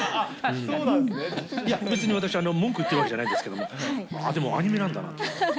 いや、別に私、文句言ってるわけじゃないんですけど、あー、でもアニメなんだなと。